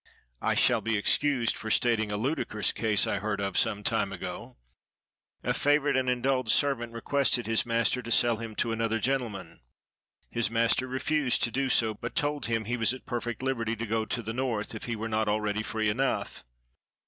I shall be excused for stating a ludicrous case I heard of some time ago:—A favorite and indulged servant requested his master to sell him to another gentleman. His master refused to do so, but told him he was at perfect liberty to go to the North, if he were not already free enough.